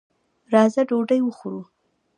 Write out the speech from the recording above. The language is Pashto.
راځه ډوډۍ وخورو.